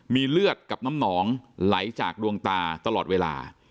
มีเลือดกับน้ำหนองไหลจากดวงตาตลอดเวลา